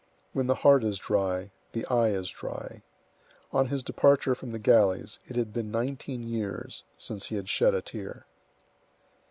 When the heart is dry, the eye is dry. On his departure from the galleys it had been nineteen years since he had shed a tear.